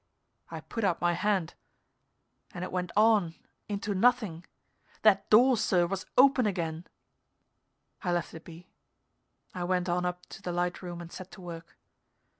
I put out my hand and it went on into nothing. That door, sir, was open again. I left it be; I went on up to the light room and set to work.